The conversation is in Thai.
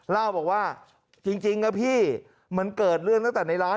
เล่าบอกว่าจริงนะพี่มันเกิดเรื่องตั้งแต่ในร้าน